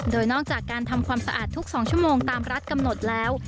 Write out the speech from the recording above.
โดยนอกจากการทำความสะอาดทุก๒ชั่วโมงตามรัฐกำหนดแล้ว